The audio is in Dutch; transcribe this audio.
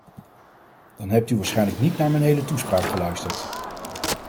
Dan hebt u waarschijnlijk niet naar mijn hele toespraak geluisterd!